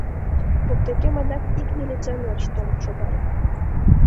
Воктекем адакат ик милиционер толын шогале.